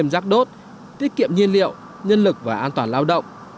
rác đốt tiết kiệm nhiên liệu nhân lực và an toàn lao động